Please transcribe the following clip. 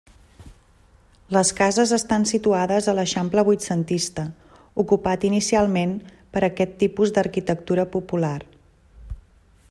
Les cases estan situades a l'eixample vuitcentista, ocupat inicialment per aquest tipus d'arquitectura popular.